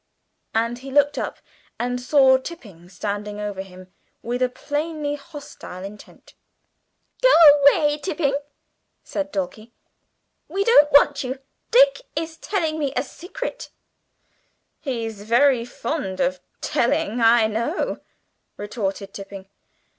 And he looked up and saw Tipping standing over him with a plainly hostile intent. "Go away, Tipping," said Dulcie; "we don't want you. Dick is telling me a secret." "He's very fond of telling, I know," retorted Tipping.